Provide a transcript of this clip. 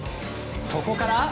そこから。